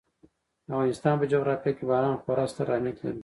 د افغانستان په جغرافیه کې باران خورا ستر اهمیت لري.